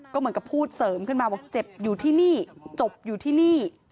ก็เหมือนกับพูดเสริมขึ้นมาบอกเจ็บอยู่ที่นี่จบอยู่ที่นี่